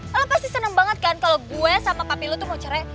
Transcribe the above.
lo pasti seneng banget kan kalo gue sama papi lo tuh mau cerai